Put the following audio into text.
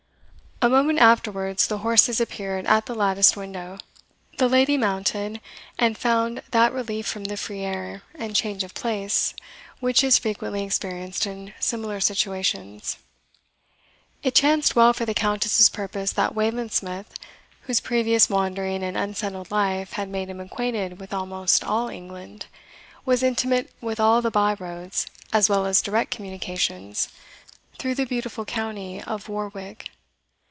A moment afterwards the horses appeared at the latticed window. The lady mounted, and found that relief from the free air and change of place which is frequently experienced in similar circumstances. It chanced well for the Countess's purpose that Wayland Smith, whose previous wandering and unsettled life had made him acquainted with almost all England, was intimate with all the byroads, as well as direct communications, through the beautiful county of Warwick.